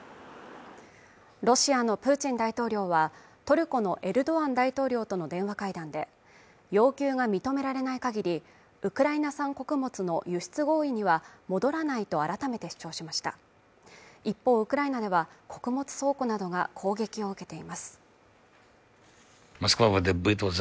ロシアのプーチン大統領はトルコのエルドアン大統領との電話会談で要求が認められないかぎりウクライナ産穀物の輸出合意には戻らないと改めて主張しました一方ウクライナでは穀物倉庫などが攻撃を受けています